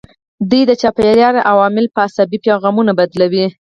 دوی د چاپیریال عوامل په عصبي پیغامونو بدلوي.